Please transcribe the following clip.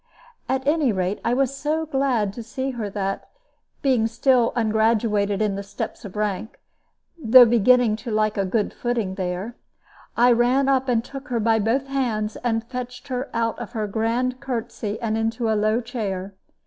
At any rate, I was so glad to see her that, being still ungraduated in the steps of rank (though beginning to like a good footing there), I ran up and took her by both hands, and fetched her out of her grand courtesy and into a low chair.